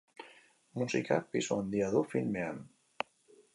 Musikak pisu handia du filmean.